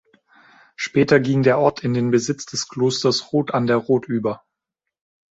Später ging der Ort in den Besitz des Klosters Rot an der Rot über.